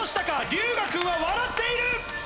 龍我君は笑っている！